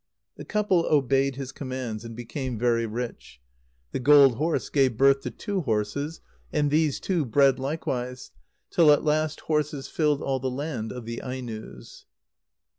The couple obeyed his commands, and became very rich. The gold horse gave birth to two horses, and these two bred likewise, till at last horses filled all the land of the Ainos.